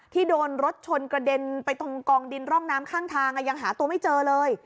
ที่โดนรถชนกระเด็นไปตรงกองดินร่องน้ำข้างทางยังหาตัวไม่เจอเลย